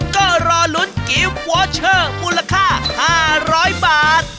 ก็รอลุ้นกิฟต์วอเชอร์มูลค่า๕๐๐บาท